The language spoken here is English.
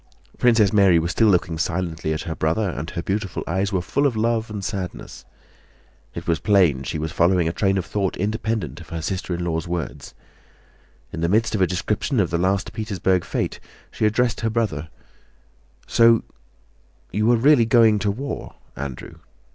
Princess Mary was still looking silently at her brother and her beautiful eyes were full of love and sadness. It was plain that she was following a train of thought independent of her sister in law's words. In the midst of a description of the last Petersburg fete she addressed her brother: "So you are really going to the war, Andrew?"